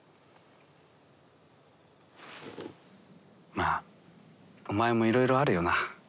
まあお前もいろいろあるよな。